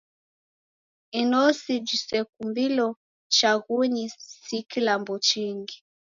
Inosi jisekumbilo chaghunyi si kilambo chingi.